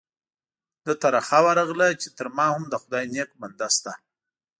ده ته رخه ورغله چې تر ما هم د خدای نیک بنده شته.